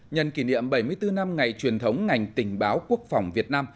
nhân kỷ niệm bảy mươi bốn năm ngày truyền thống ngành tình báo quốc phòng việt nam